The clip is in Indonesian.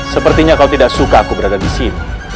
sepertinya kau tidak suka aku berada disini